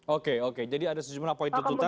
oke oke jadi ada sejumlah poin tuntutan